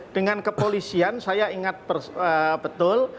dengan kepolisian saya ingat betul